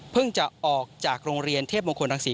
เพิ่งจะออกจากโรงเรียนเทพมงคลทางศรี